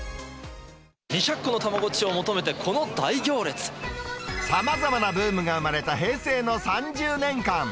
２００個のたまごっちを求めさまざまなブームが生まれた平成の３０年間。